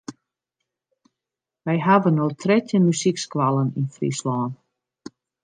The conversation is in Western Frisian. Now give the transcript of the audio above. We hawwe no trettjin muzykskoallen yn Fryslân.